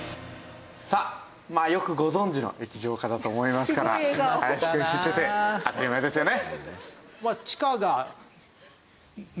さあまあよくご存じの液状化だと思いますから林くん知ってて当たり前ですよね？